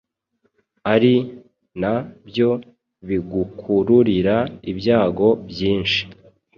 ari na byo bigukururira ibyago byinshi